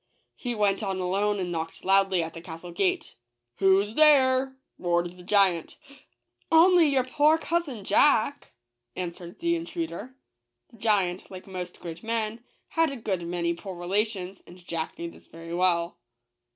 He went on alone, and knocked loudly at the castle gate. "Who's there?" roared the giant. " Only your poor cousin Jack," answered the intruder. The giant, like most great men, had a good many poor relations, and Jack knew this very well.